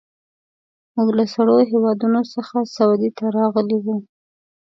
موږ له سړو هېوادونو څخه سعودي ته راغلي وو.